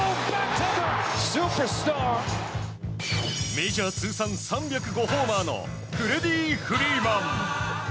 メジャー通算３０５ホーマーのフレディ・フリーマン。